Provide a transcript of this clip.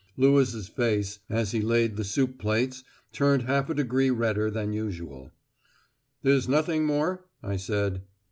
Lewis' face, as he laid the soup plates, turned half a degree redder than usual. "There's nothing more?" I said.